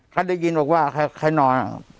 เขาได้ยินบอกว่าใครนอน